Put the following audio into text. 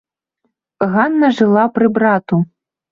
Ганна жыла пры брату.